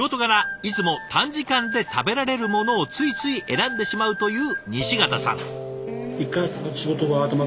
いつも短時間で食べられるものをついつい選んでしまうという西潟さん。